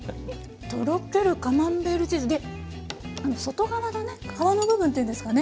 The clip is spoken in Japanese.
とろけるカマンベールチーズで外側のね皮の部分っていうんですかね